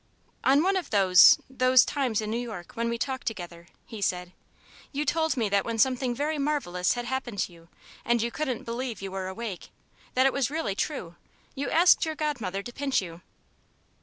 "On one of those those times in New York when we talked together," he said, "you told me that when something very marvellous had happened to you and you couldn't believe you were awake, that it was really true, you asked your Godmother to pinch you.